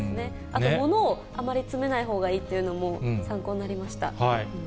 あと物をあまり詰めないほうがいいというのも、参考になりました。